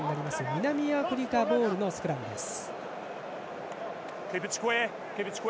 南アフリカボールのスクラムです。